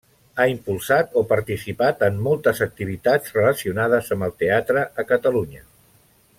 Ha impulsat o participat en moltes activitats relacionades amb el teatre a Catalunya.